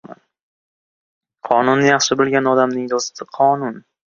Qonunni yaxshi bilgan odamning do‘sti — qonun.